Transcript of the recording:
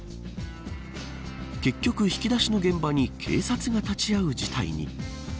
結局、引き出しの現場に警察が立ち会う事態に。